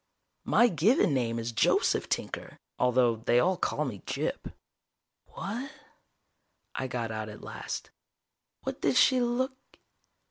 My given name is Joseph Tinker although they all call me Gyp. "What ..." I got out at last. "What did she look...?"